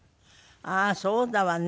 ああーそうだわね。